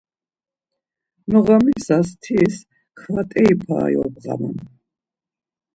Noğamisas tis ǩvateri para yobğaman.